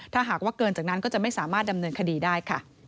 ถ้าหากว่าเกินจากนั้นก็จะไม่สามารถดำเนินคดีได้ค่ะ